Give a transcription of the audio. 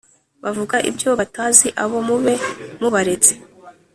bavuga ibyo batazi abo Mube mubaretse